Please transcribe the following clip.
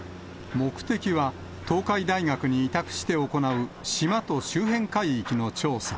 目的は、東海大学に委託して行う島と周辺海域の調査。